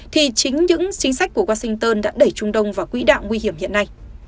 thì chính những chính sách của washington đã đẩy trung đông vào quỹ đạo nguy hiểm hiện nay